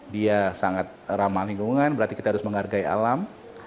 dia sangat ramah lingkungan berarti kita harus menghargai alam